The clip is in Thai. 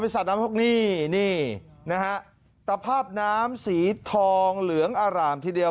เป็นสัตว์นำโชคนินี่นะฮะตะภาพน้ำสีทองเหลืองอารามทีเดียว